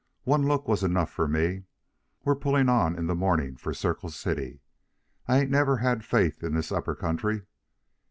One look was enough for me. We're pulling on in the morning for Circle City. I ain't never had faith in this Upper Country.